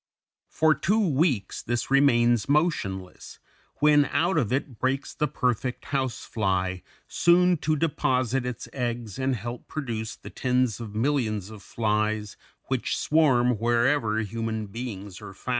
For two weeks this remains motionless, when out of it breaks the perfect house fly, soon to deposit its eggs and help to produce the tens of millions of flies which swarm wherever human beings are found.